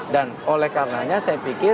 dan oleh karenanya saya pikir